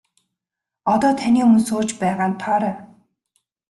Одоо таны өмнө сууж байгаа нь Тоорой.